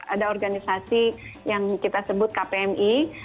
ada organisasi yang kita sebut kpmi